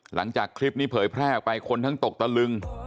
หลังจากคลิปนี้เผยแพร่ออกไปคนทั้งตกตะลึง